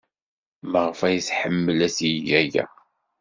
Maɣef ay iḥemmel ad yeg aya?